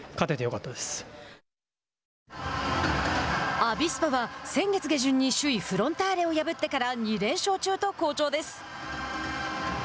アビスパは先月下旬に首位フロンターレを破ってから２連勝中と好調です。